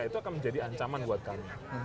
itu akan menjadi ancaman buat kami